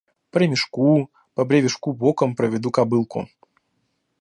По ремешку, по бревешку боком проведу кобылку.